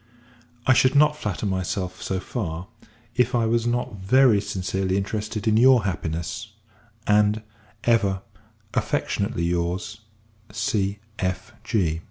I should not flatter myself so far, if I was not very sincerely interested in your happiness; and, ever, affectionately your's, C.F.